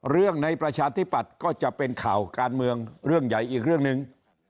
ในประชาธิปัตย์ก็จะเป็นข่าวการเมืองเรื่องใหญ่อีกเรื่องหนึ่ง